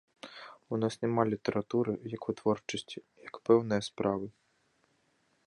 У нас няма літаратуры як вытворчасці, як пэўнае справы.